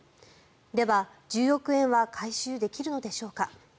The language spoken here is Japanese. では、１０億円は回収できるのでしょうか。